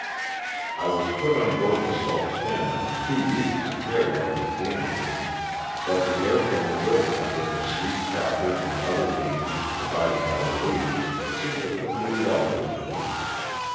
I was put on board the '^Sultana " too weak to care 168 LOSS OF THE SULTANA. what became of me, but the air from the river, with the sweet crackers and other dainties provided by the ladies, seemed to put new life into me.